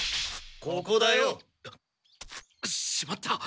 ここだよ。しまった！